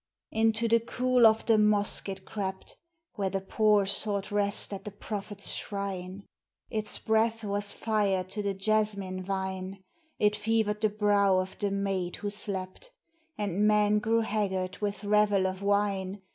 Into the cool of the mosque it crept, Where the poor sought rest at the Prophet's shrine; Its breath was fire to the jasmine vine; It fevered the brow of the maid who slept, And men grew haggard with revel of wine.